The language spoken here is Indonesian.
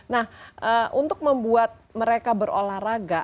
nah untuk membuat mereka berolahraga